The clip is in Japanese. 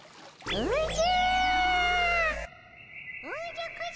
おじゃ？